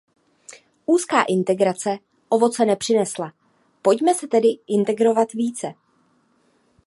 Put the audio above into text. Úzká integrace ovoce nepřinesla, pojďme se tedy integrovat více.